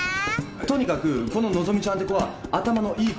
とにかくこの和希ちゃんって子は頭のいい子らしいんですね。